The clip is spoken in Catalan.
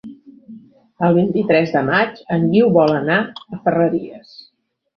El vint-i-tres de maig en Guiu vol anar a Ferreries.